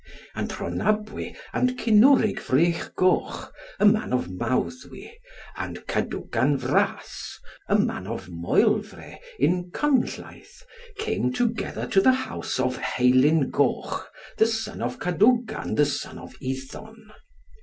And Rhonabwy and Kynwrig Vrychgoch, a man of Mawddwy, and Cadwgan Vras, a man of Moelvre in Kynlleith, came together to the house of Heilyn Goch the son of Cadwgan the son of Iddon.